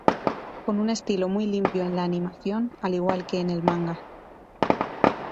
Con un estilo muy limpio en la animación al igual que en el Manga.